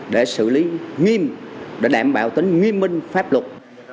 để xử lý nghiêm để đảm bảo tính nghiêm minh pháp luật